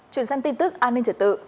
chuyển sang tin tức an ninh trật tự